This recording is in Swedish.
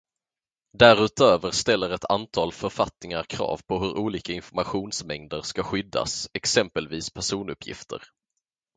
Därutöver ställer ett antal författningar krav på hur olika informationsmängder ska skyddas, exempelvis personuppgifter.